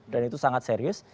dan itu sangat serius